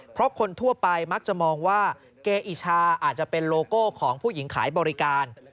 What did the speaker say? เพราะคนทั่วไปมักจะมองว่าเกอิชาอาจจะเป็นโลโก้ของผู้หญิงขายบริการ